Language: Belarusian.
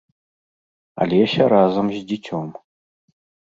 Алеся разам з дзіцём.